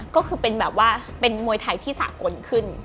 ก็คือเป็นแบบว่าเป็นมวยไทยที่สากลขึ้น